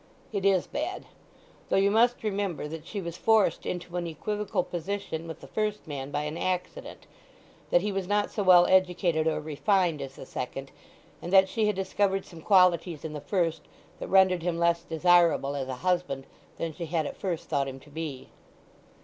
"It is bad! Though you must remember that she was forced into an equivocal position with the first man by an accident—that he was not so well educated or refined as the second, and that she had discovered some qualities in the first that rendered him less desirable as a husband than she had at first thought him to be."